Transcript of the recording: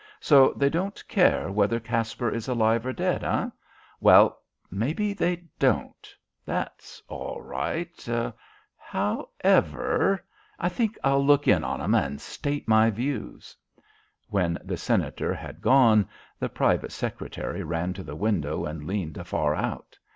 "So they don't care whether Caspar is alive or dead, eh? Well ... maybe they don't.... That's all right.... However ... I think I'll just look in on 'em and state my views." When the Senator had gone, the private secretary ran to the window and leaned afar out.